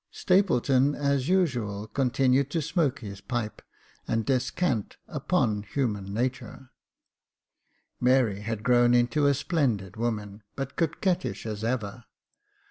Stapleton, as usual, continued to smoke his pipe and descant upon human natur. Mary had grown into a splendid woman, but coquettish as ever.